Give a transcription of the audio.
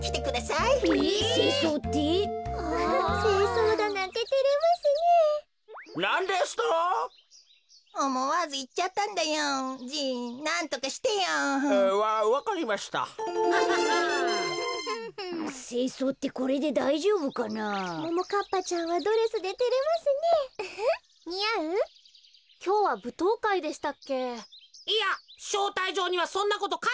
いやしょうたいじょうにはそんなことかいてないぞ。